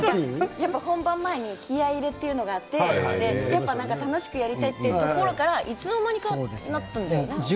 本番前の気合い入れというのがあって楽しくやりたいというところからいつの間にか。